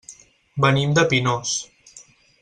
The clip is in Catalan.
Venim de Pinós.